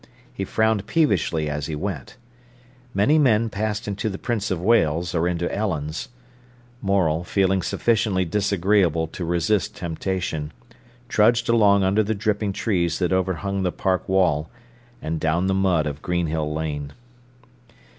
He frowned peevishly as he went. Many men passed into the Prince of Wales or into Ellen's. Morel, feeling sufficiently disagreeable to resist temptation, trudged along under the dripping trees that overhung the park wall, and down the mud of Greenhill Lane.